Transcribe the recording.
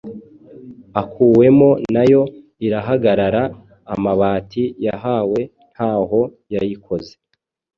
akuwemo nayo irahagarara, amabati yahawe ntaho yayikoze